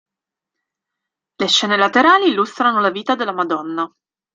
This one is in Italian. Le scene laterali illustrano la vita della Madonna.